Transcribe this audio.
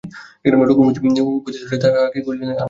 রঘুপতি উপস্থিত হইলে তাঁহাকে কহিলেন, আর কেন প্রজাদিগকে কষ্ট দিতেছ?